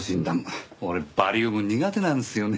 俺バリウム苦手なんですよね。